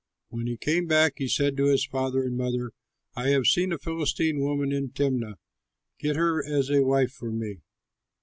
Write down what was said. When he came back he said to his father and mother, "I have seen a Philistine woman in Timnah. Get her as a wife for me."